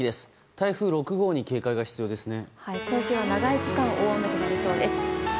台風６号に警戒が必要ですね。